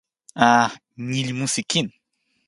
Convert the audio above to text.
a, ni li musi kin.